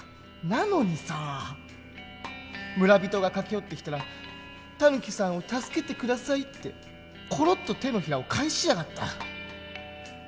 なのにさ村人が駆け寄ってきたら「タヌキさんを助けて下さい」ってコロッと手のひらを返しやがった。